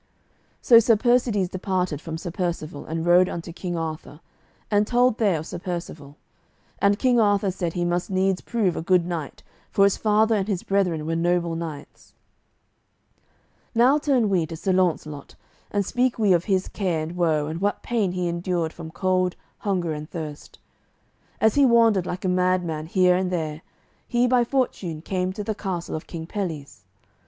So Sir Persides departed from Sir Percivale, and rode unto King Arthur, and told there of Sir Percivale. And King Arthur said he must needs prove a good knight, for his father and his brethren were noble knights. Now turn we to Sir Launcelot, and speak we of his care and woe and what pain he endured from cold, hunger, and thirst. As he wandered like a mad man here and there, he by fortune came to the castle of King Pelles.